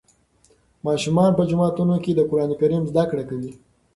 ماشومان په جوماتونو کې د قرآن کریم زده کړه کوي.